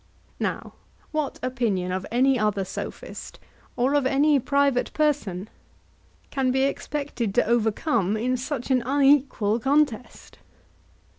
Now what opinion of any other Sophist, or of any private person, can be expected to overcome in such an unequal contest?